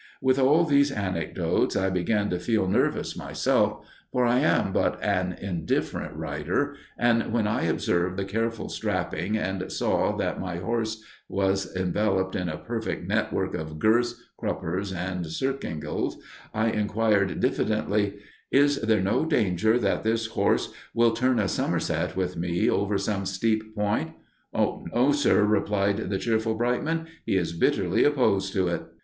With all these anecdotes I began to feel nervous myself, for I am but an indifferent rider, and when I observed the careful strapping and saw that my horse was enveloped in a perfect network of girths, cruppers and circingles, I inquired diffidently, "Is there no danger that this horse will turn a somerset with me over some steep point?" "Oh, no, sir," rejoined the cheerful Brightman, "he is bitterly opposed to it."